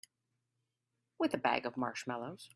With a bag of marshmallows.